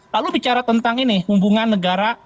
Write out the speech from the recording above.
lalu bicara tentang ini hubungan negara